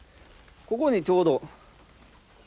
ここにちょうど。